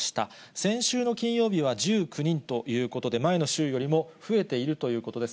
先週の金曜日は１９人ということで、前の週よりも増えているということです。